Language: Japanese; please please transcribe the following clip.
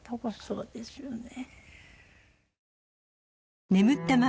そうですよね。